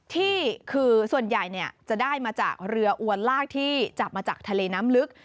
ที่คือส่วนใหญ่จะได้มาจากเรืออวนลากที่จับมาจากทะเลน้ำลึก